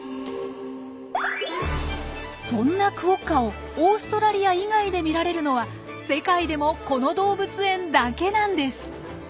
そんなクオッカをオーストラリア以外で見られるのは世界でもこの動物園だけなんです！